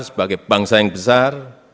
sebagai bangsa yang besar